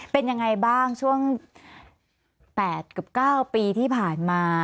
เป็นยังไงบ้างช่วง๘กับ๙ปีที่ผ่านมา